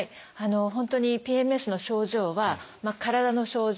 本当にＰＭＳの症状は体の症状